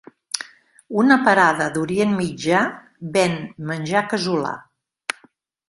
Una parada d'Orient Mitjà ven menjar casolà